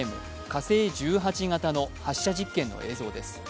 火星１８型の発射実験の映像です。